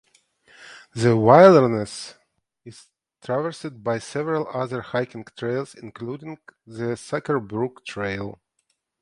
The wilderness is traversed by several other hiking trails including the Sucker Brook Trail.